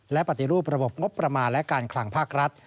และปฏิรูประบบงบประมาณและการคลังภาครัฐ